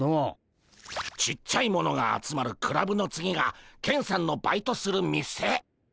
ちっちゃいものが集まるクラブの次がケンさんのバイトする店。